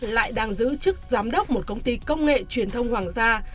lại đang giữ chức giám đốc một công ty công nghệ truyền thông hoàng gia